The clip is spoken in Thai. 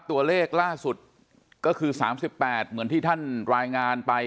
ตัวเลขล่าสุดก็คือ๓๘เหมือนที่ท่านรายงานไป